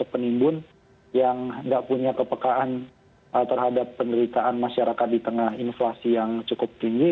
penimbun yang tidak punya kepekaan terhadap penderitaan masyarakat di tengah inflasi yang cukup tinggi